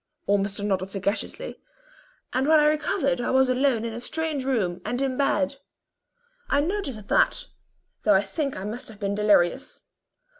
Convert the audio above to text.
(Ormiston nodded sagaciously), "and when I next recovered I was alone in a strange room, and in bed. I noticed that, though I think I must have been delirious.